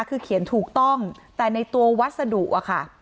คือเขียนถูกต้องแต่ในตัววัสดุอะค่ะ